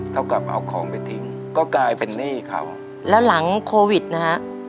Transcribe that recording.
เท่ากับเอาของไปทิ้งก็กลายเป็นหนี้เขาแล้วหลังโควิดนะฮะ